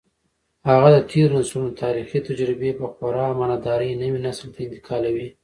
هغه د تېرو نسلونو تاریخي تجربې په خورا امانتدارۍ نوي نسل ته انتقالوي.